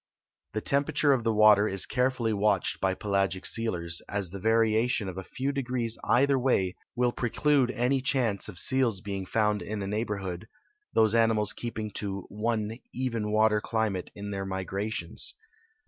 The temperature of the water is carefully watched b}'' pelagic sealers, as the variation of a few degrees either way will pre clude any chance of seals being found in a neighborhood, tlu)se animals kee[)ing to one even water climate in their migrations.